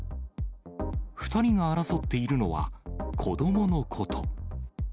２人が争っているのは、子どものこと。